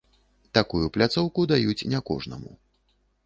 Такую пляцоўку даюць не кожнаму.